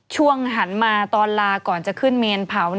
หันมาตอนลาก่อนจะขึ้นเมนเผา